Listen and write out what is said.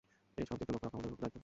এসব দিকে লক্ষ্য রাখা আমার দায়িত্ব।